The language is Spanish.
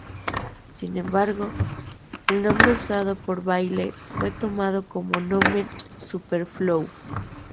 Sin embargo el nombre usado por Bailey fue tomado como "nomen superfluo".